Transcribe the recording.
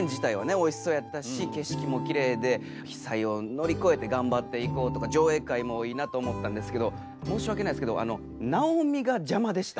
おいしそうやったし景色もきれいで被災を乗り越えて頑張っていこうとか上映会もいいなと思ったんですけど申し訳ないですけどあのナオミが邪魔でした。